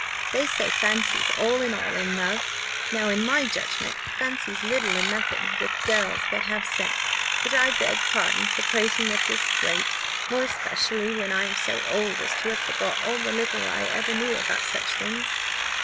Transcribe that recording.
They say, fancy's all in all in love: now in my judgment, fancy's little or nothing with girls that have sense. But I beg pardon for prating at this rate, more especially when I am so old as to have forgot all the little I ever knew about such things."